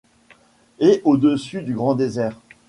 et au-dessus du grand désert.